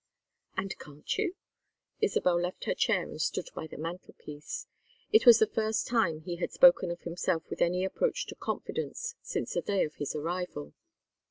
"And can't you?" Isabel left her chair and stood by the mantel piece. It was the first time he had spoken of himself with any approach to confidence since the day of his arrival.